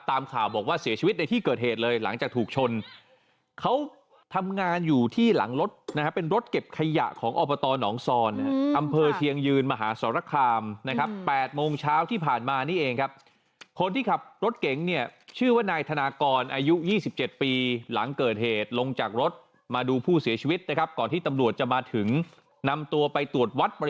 ตามข่าวบอกว่าเสียชีวิตในที่เกิดเหตุเลยหลังจากถูกชนเขาทำงานอยู่ที่หลังรถนะฮะเป็นรถเก็บขยะของอบตหนองซอนอำเภอเชียงยืนมหาสรคามนะครับ๘โมงเช้าที่ผ่านมานี่เองครับคนที่ขับรถเก๋งเนี่ยชื่อว่านายธนากรอายุ๒๗ปีหลังเกิดเหตุลงจากรถมาดูผู้เสียชีวิตนะครับก่อนที่ตำรวจจะมาถึงนำตัวไปตรวจวัดปริ